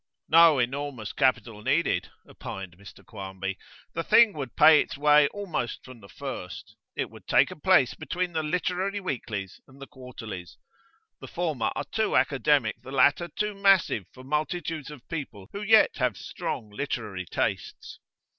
'No enormous capital needed,' opined Mr Quarmby. 'The thing would pay its way almost from the first. It would take a place between the literary weeklies and the quarterlies. The former are too academic, the latter too massive, for multitudes of people who yet have strong literary tastes.